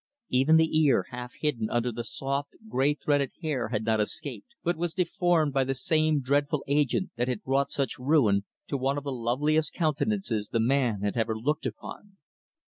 Even the ear, half hidden under the soft, gray threaded hair, had not escaped, but was deformed by the same dreadful agent that had wrought such ruin to one of the loveliest countenances the man had ever looked upon.